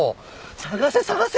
捜せ捜せ！